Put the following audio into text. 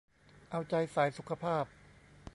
เอาใจสายสุขภาพ